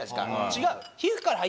違う。